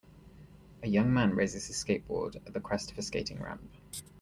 A young man raises his skateboard at the crest of a skating ramp.